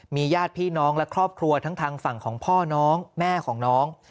ญาติพี่น้องและครอบครัวทั้งทางฝั่งของพ่อน้องแม่ของน้อง